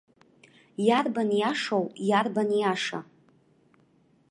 Иарбан иашоу, иарбан иаша!